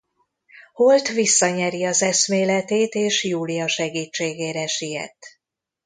Holt visszanyeri az eszméletét és Julia segítségére siet.